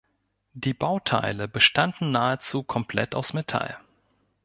Die Bauteile bestanden nahezu komplett aus Metall.